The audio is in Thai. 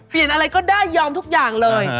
เปลี่ยนอะไรก็ได้ยอมทุกอย่างเลย